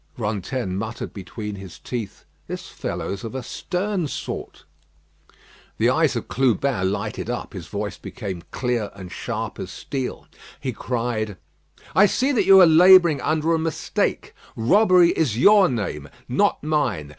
Rantaine muttered between his teeth, "This fellow's of a stern sort." The eye of Clubin lighted up, his voice became clear and sharp as steel. He cried: "I see that you are labouring under a mistake. Robbery is your name, not mine.